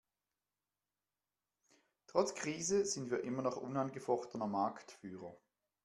Trotz Krise sind wir immer noch unangefochtener Marktführer.